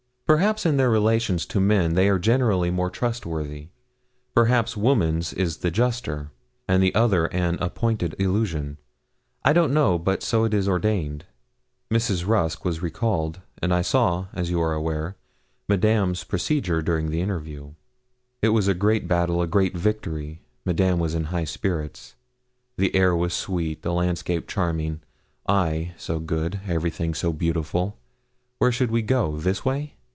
Perhaps in their relations to men they are generally more trustworthy perhaps woman's is the juster, and the other an appointed illusion. I don't know; but so it is ordained. Mrs. Rusk was recalled, and I saw, as you are aware, Madame's procedure during the interview. It was a great battle a great victory. Madame was in high spirits. The air was sweet the landscape charming I, so good everything so beautiful! Where should we go? this way?